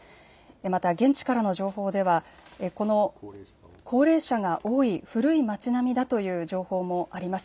また現地からの情報では高齢者が多い、古い町並みだという情報もあります。